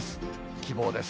希望です。